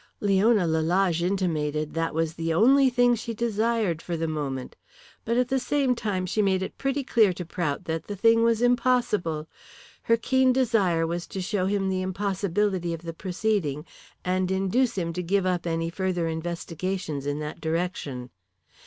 Leona Lalage intimated that was the only thing she desired for the moment. But at the same time she made it pretty clear to Prout that the thing was impossible. Her keen desire was to show him the impossibility of the proceeding, and induce him to give up any further investigations in that direction.